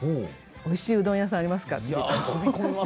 おいしいうどん屋さんありますかって。